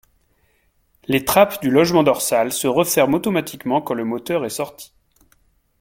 Les trappes du logement dorsal se referment automatiquement quand le moteur est sorti.